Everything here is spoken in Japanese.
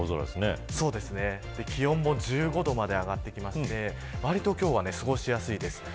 気温も１５度まで上がってきて割と今日は過ごしやすいです。